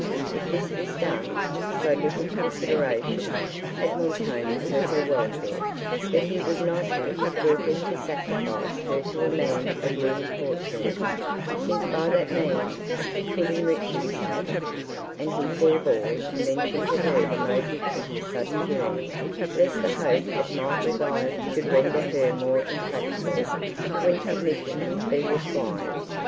If this was done, so little consideration had Montoni for her welfare, that he would not have scrupled to sacrifice her to a man of ruined fortune, since by that means he could enrich himself; and he forbore to mention to her the motive of his sudden journey, lest the hope it might revive should render her more intractable, when submission would be required.